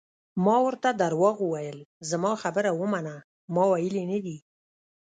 ما ورته درواغ وویل: زما خبره ومنه، ما ویلي نه دي.